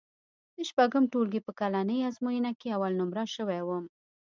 د شپږم ټولګي په کلنۍ ازموینه کې اول نومره شوی وم.